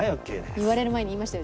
言われる前に言いましたよ